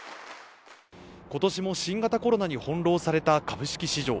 今年も新型コロナに翻弄された株式市場。